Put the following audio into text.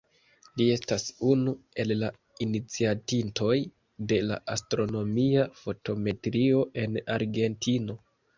Li estas unu el la iniciatintoj de la astronomia fotometrio en Argentino.